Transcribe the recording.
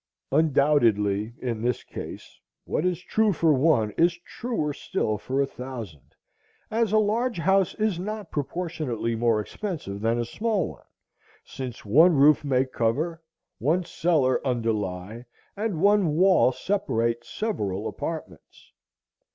Undoubtedly, in this case, what is true for one is truer still for a thousand, as a large house is not proportionally more expensive than a small one, since one roof may cover, one cellar underlie, and one wall separate several apartments.